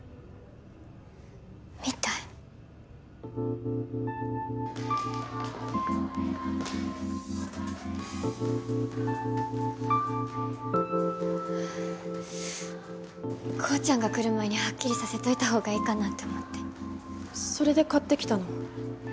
みたいコウちゃんが来る前にハッキリさせといた方がいいかなって思ってそれで買ってきたの？